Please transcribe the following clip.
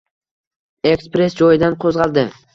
Ekspress joyidan qo`zg`aldi